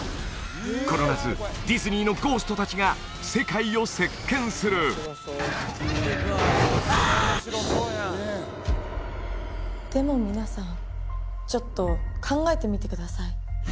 この夏ディズニーのゴースト達が世界を席けんするでも皆さんちょっと考えてみてください